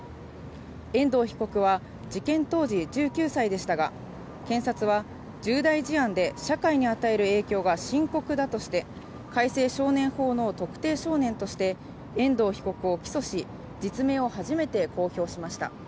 遠藤被告は事件当時、１９歳でしたが検察は、重大事案で社会に与える影響が深刻だとして改正少年法の特定少年として遠藤被告を起訴し実名を初めて公表しました。